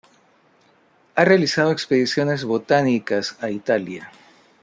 Ha realizado expediciones botánicas a Italia.